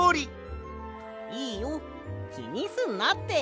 いいよきにすんなって。